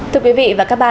thưa quý vị và các bạn